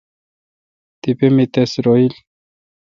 تپہ می تس روییل۔